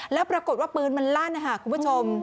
แล้วปรากฏว่าปืนมันลั่นนะคะคุณผู้ชม